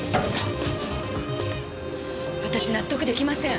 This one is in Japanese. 私納得出来ません。